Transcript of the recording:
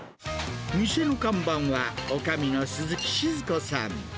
店の看板は、おかみの鈴木静子さん。